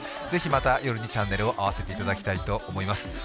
ぜひ、また夜にチャンネルを合わせていただきたいと思います。